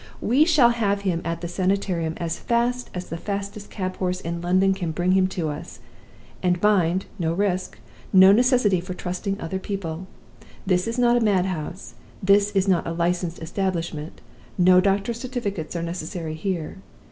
We shall have him at the Sanitarium as fast as the fastest cab horse in London can bring him to us. And mind! no risk no necessity for trusting other people. This is not a mad house; this is not a licensed establishment; no doctors' certificates are necessary here!